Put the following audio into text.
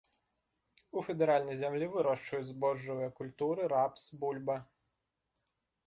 У федэральнай зямлі вырошчваюць збожжавыя культуры, рапс, бульба.